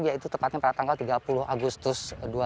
yaitu tepatnya pada tanggal tiga puluh agustus dua ribu dua puluh